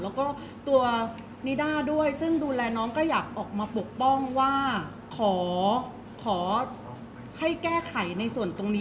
เพราะว่าสิ่งเหล่านี้มันเป็นสิ่งที่ไม่มีพยาน